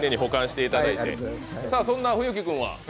そんな冬樹君は？